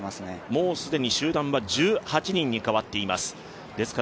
もう既に集団は１８人に変わっています。